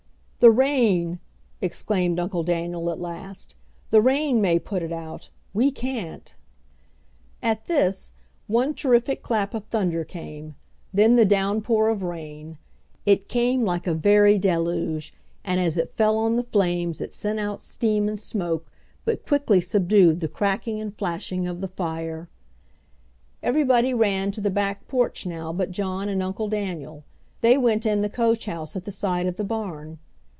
"The rain!" exclaimed Uncle Daniel at last, "The rain may put it out; we can't." At this one terrific clap of thunder came. Then the downpour of rain. It came like a very deluge, and as it fell on the flames it sent out steam and smoke but quickly subdued the cracking and flashing of the fire. Everybody ran to the back porch now but John and Uncle Daniel. They went in the coach house at the side of the barn.